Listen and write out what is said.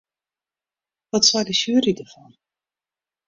Wat seit de sjuery derfan?